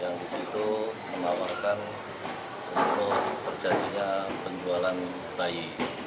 yang disitu menawarkan untuk perjanjian penjualan bayi